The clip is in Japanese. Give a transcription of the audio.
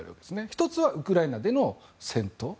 １つはウクライナでの戦闘。